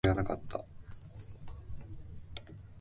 いまや、その頃の面影はなかった